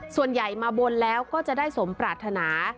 ส่วนใหญ่มาบนแล้วก็จะได้สมปรารถนา